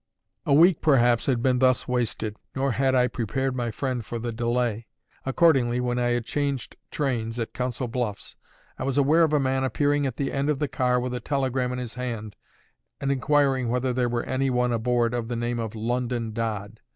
A week perhaps had been thus wasted, nor had I prepared my friend for the delay. Accordingly, when I had changed trains at Council Bluffs, I was aware of a man appearing at the end of the car with a telegram in his hand and inquiring whether there were any one aboard "of the name of LONDON Dodd?"